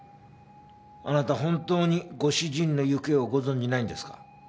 あなた本当にご主人の行方をご存じないんですか？